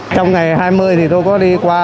trong ngày hai mươi tôi có đi qua